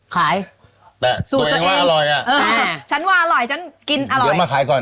ขายแต่สูตรตัวเองว่าอร่อยอ่ะเออฉันว่าอร่อยฉันกินอร่อยเดี๋ยวมาขายก่อน